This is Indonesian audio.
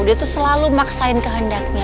dia tuh selalu maksain kehendaknya